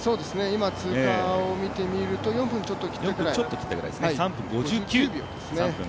今、通過を見てみると４分をちょっと切ったぐらい、３分５９秒です。